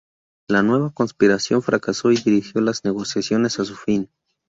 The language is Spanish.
La nueva conspiración fracasó y dirigió las negociaciones a su fin.